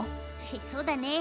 そうだね。